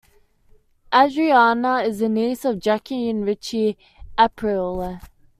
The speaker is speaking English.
Adriana is the niece of Jackie and Richie Aprile.